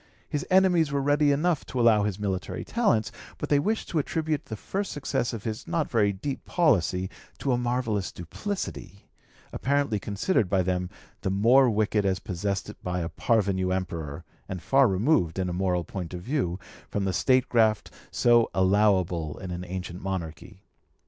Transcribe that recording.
His enemies were ready enough to allow his military talents, but they wished to attribute the first success of his not very deep policy to a marvellous duplicity, apparently considered by them the more wicked as possessed by a parvenu emperor, and far removed, in a moral point of view, from the statecraft so allowable in an ancient monarchy.